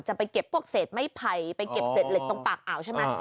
จะไปเก็บพวกเศษไม้ไผ่ไปเก็บเศษเหล็กตรงปากอ่าวใช่ไหม